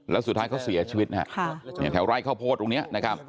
แล้วสุดท้ายเขาเสียชีวิตนะฮะแถวไร่ข้าวโพดตรงนี้นะครับ